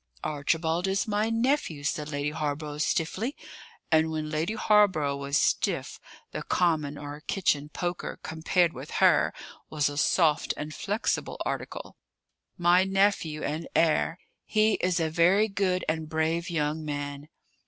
"Archibald is my nephew," said Lady Hawborough stiffly; and when Lady Hawborough was stiff, the common or kitchen poker compared with her was a soft and flexible article. "My nephew and heir. He is a very good and brave young man."